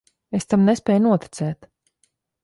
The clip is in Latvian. Es tam nespēju noticēt.